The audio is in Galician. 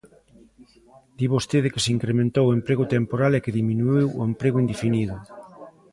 Di vostede que se incrementou o emprego temporal e que diminuíu o emprego indefinido.